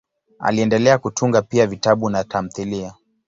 Aliendelea kutunga pia vitabu na tamthiliya.